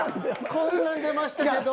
こんなん出ましたけど！